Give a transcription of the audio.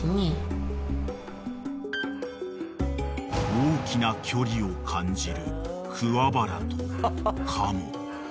［大きな距離を感じる桑原と嘉門］